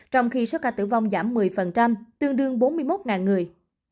trong khi số ca tử vong giảm một mươi tương đương bốn mươi một người